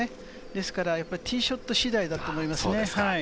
ですからティーショット次第だと思いますね。